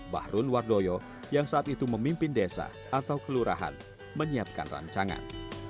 bahrun wardoyo yang saat itu memimpin desa atau kelurahan menyiapkan rancangan